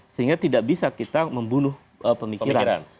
sehingga tidak bisa kita membunuh pemikiran